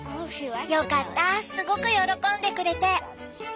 よかったすごく喜んでくれて！